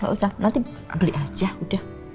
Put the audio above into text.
gak usah nanti beli aja udah